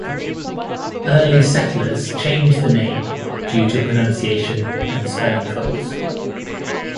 Early settlers changed the name due to pronunciation and spelling troubles.